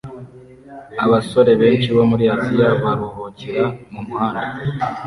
Abasore benshi bo muri Aziya baruhukira mumuhanda